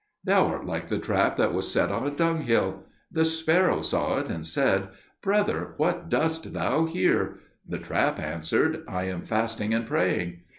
"Thou art like the trap that was set on a dunghill. The sparrow saw it and said, 'Brother, what dost thou here?' The trap answered, 'I am fasting and praying.'